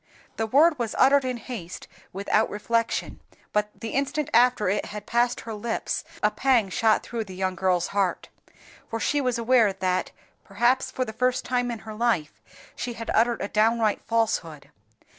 The word was uttered in haste, without reflection; but the instant after it had passed her lips a pang shot through the young girl's heart, for she was aware that, perhaps for the first time in her life, she had uttered a downright falsehood.